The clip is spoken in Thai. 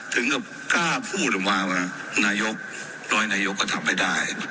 ถึงแค่พูดว่าไว้ท่านนายกร้อยนายกก็ทำไม่ได้